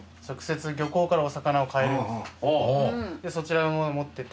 そちらを持ってて。